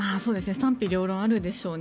賛否両論あるでしょうね。